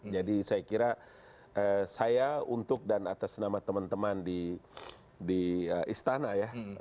saya kira saya untuk dan atas nama teman teman di istana ya